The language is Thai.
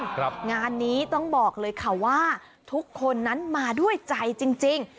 งานนี้ต้องบอกเลยค่ะว่าทุกคนนั้นมาด้วยใจจริงจริง